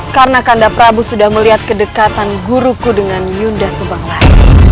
karena kanda prabu sudah melihat kedekatan guruku dengan yunda subanglar